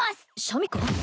シャミ子！？